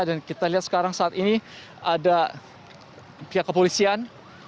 dan kita lihat sekarang saat ini ada pihak kepolisian